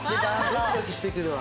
ドキドキしてくるわ。